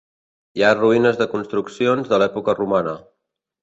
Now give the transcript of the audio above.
Hi ha ruïnes de construccions de l'època romana.